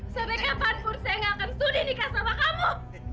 sampai kapanpun saya nggak akan sudi nikah sama kamu